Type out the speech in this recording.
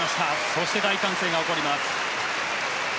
そして大歓声が起こります。